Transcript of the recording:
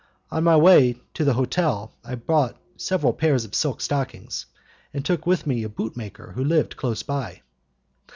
On my way to the hotel I bought several pairs of silk stockings, and took with me a bootmaker who lived close by.